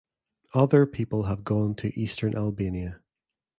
Other people have gone to eastern Albania.